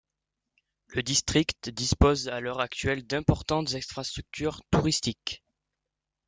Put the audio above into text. Le district dispose à l'heure actuelle d'importantes infrastructures touristiques.